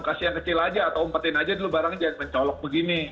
kasih yang kecil aja atau umpetin aja dulu barangnya jangan mencolok begini